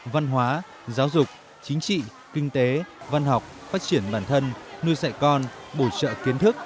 văn hóa giáo dục chính trị kinh tế văn học phát triển bản thân nuôi dạy con bổ trợ kiến thức